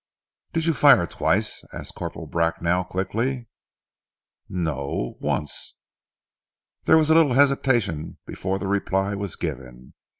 "Did you fire twice?" asked Corporal Bracknell quickly. "N no! Once!" There was a little hesitation before the reply was given.